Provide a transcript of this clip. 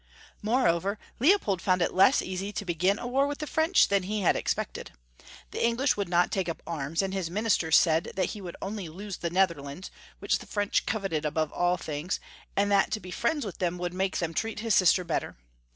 Moreover, Leopold found it less easy to begin a war with the French than he had expected. The English would not take up arras, and his ministers said that he would only lose the Netherlands, which the French coveted above all things, and that to be friends with them would make them treat his sister better.